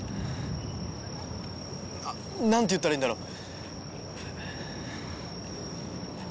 あっなんて言ったらいいんだろう。